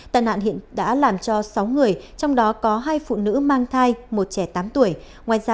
tàn nạn hiện đã làm cho sáu người trong đó có hai phụ nữ mang thai một trẻ tám tuổi